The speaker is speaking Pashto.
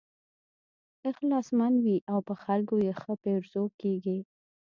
اخلاصمن وي او په خلکو یې ښه پیرزو کېږي.